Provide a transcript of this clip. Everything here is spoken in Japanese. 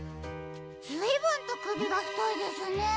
ずいぶんとくびがふといですね。